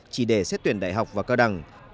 chỉ để xét tuyển đại học và cao đẳng